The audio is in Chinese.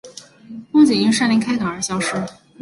风景因山林开垦而消失